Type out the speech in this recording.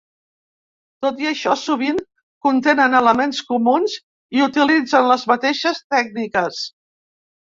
Tot i això, sovint contenen elements comuns i utilitzen les mateixes tècniques.